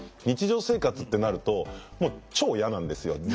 日常生活ってなるともう超嫌なんですよ